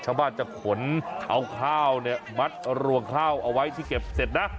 ชาวบ้านจะขนเอาข้าวเนี่ยมัดรวงข้าวเอาไว้ที่เก็บเสร็จนะ